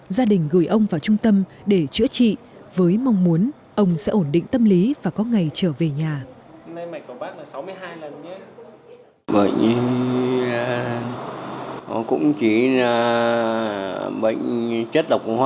gia đình gửi ông vào trung tâm để chữa trị với mong muốn ông sẽ ổn định tâm lý và có ngày trở về nhà